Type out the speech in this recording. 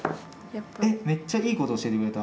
めっちゃいいこと教えてくれた。